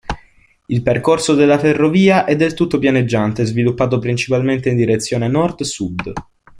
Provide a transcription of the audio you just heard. Il percorso della ferrovia è del tutto pianeggiante e sviluppato principalmente in direzione nord-sud.